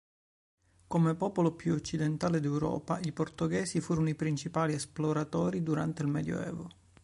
Come popolo più occidentale d'Europa, i portoghesi furono i principali esploratori durante il Medioevo.